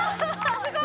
すごい！